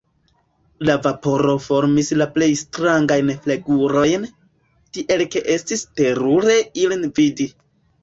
La vaporo formis la plej strangajn flgurojn, tiel ke estis terure ilin vidi.